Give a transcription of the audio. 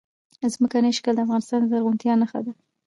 ځمکنی شکل د افغانستان د زرغونتیا نښه ده.